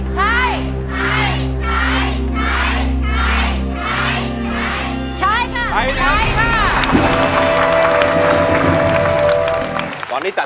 สู้ครับ